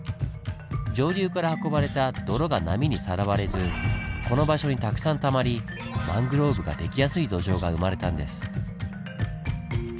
上流から運ばれた泥が波にさらわれずこの場所にたくさんたまりマングローブが出来やすい土壌が生まれたんです。